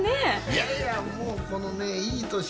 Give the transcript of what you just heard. いやいやもうこのねいい年